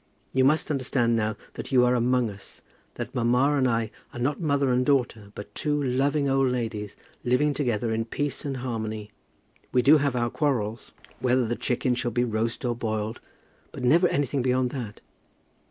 You must understand now that you are among us, that mamma and I are not mother and daughter, but two loving old ladies, living together in peace and harmony. We do have our quarrels, whether the chicken shall be roast or boiled, but never anything beyond that.